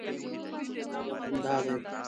هغه همدا دی.